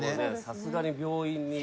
「さすがに病院に」